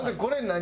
何？